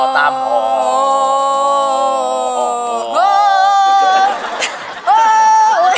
ตามออ